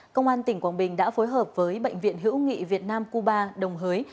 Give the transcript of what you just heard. công an tỉnh quảng bình đã phối hợp với bệnh viện hữu nghị việt nam cuba đồng hới